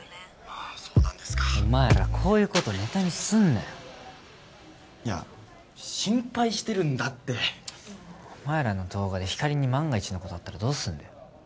あっそうなんですかお前らこういうことネタにすんなよいや心配してるんだってチッお前らの動画でひかりに万が一のことあったらどうすんだよ